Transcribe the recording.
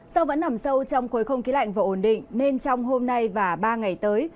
do vẫn nằm sâu trong khối không khí lạnh và ổn định nên trong hôm nay và ba ngày tới